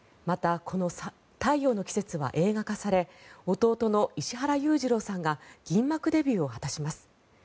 また、この「太陽の季節」は映画化され弟の石原裕次郎さんが銀幕デビューを果たします。